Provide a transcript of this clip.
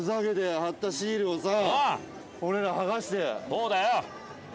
そうだよ！